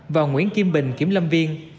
và nguyễn kim bình kiểm lâm viên